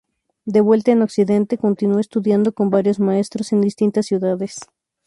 De vuelta en Occidente, continuó estudiando con varios maestros en distintas ciudades.